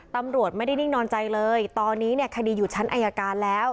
ตำรวจไม่ได้นิ่งนอนใจเลยตอนนี้เนี่ยคดีอยู่ชั้นอายการแล้ว